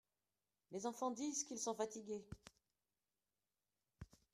Les enfants disent qu'ils sont fatigués.